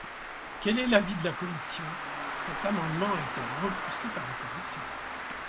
Quel est l’avis de la commission ? Cet amendement a été repoussé par la commission.